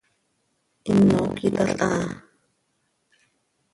Hino cöyitalhaa.